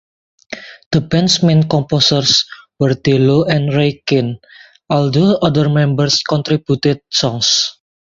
The band's main composers were Dello and Ray Cane although other members contributed songs.